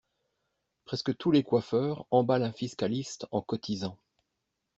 Presque tous les coiffeurs emballent un fiscaliste en cotisant.